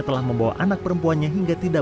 telah membawa anak perempuannya hingga tidak